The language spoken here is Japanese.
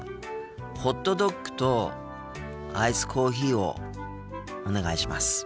ホットドッグとアイスコーヒーをお願いします。